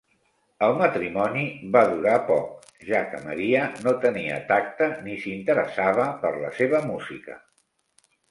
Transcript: El matrimoni va durar poc, ja que Maria no tenia tacte ni s'interessava per la seva música.